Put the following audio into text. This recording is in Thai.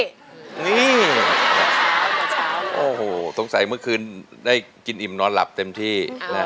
โอ้โหต้องใส่เมื่อคืนได้กินอิ่มนอนหลับเต็มที่